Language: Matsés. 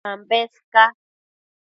Ambes ca